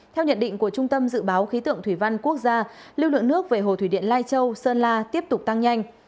theo nhận định của trung tâm dự báo khí tượng thủy văn quốc gia lưu lượng nước về hồ thủy điện lai châu sơn la tiếp tục tăng nhanh